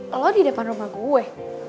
hah lo di depan rumah gue